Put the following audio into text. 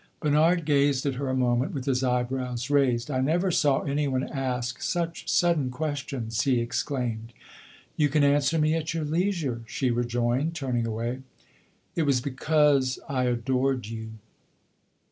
Bernard gazed at her a moment, with his eyebrows raised. "I never saw any one ask such sudden questions!" he exclaimed. "You can answer me at your leisure," she rejoined, turning away. "It was because I adored you."